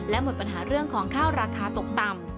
และหมดปัญหาเรื่องของข้าวราคาตกต่ำ